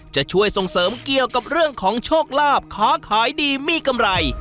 จะช่วยส่งเสริมเกี่ยวกับเรื่องของโชคลาภค้าขายดีมีกำไร